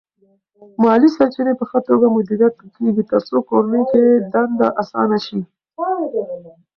مالی سرچینې په ښه توګه مدیریت کېږي ترڅو کورنۍ کې دنده اسانه شي.